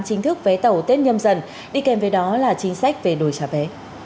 chính thức vé tàu tết nhâm dần đi kèm với đó là chính sách về đổi trả vé